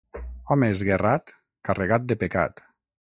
Home esguerrat, carregat de pecat.